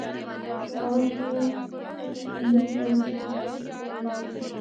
پشاور شہر سطح سمندر تو ہک ہزار فٹ اُچائی تے ہے۔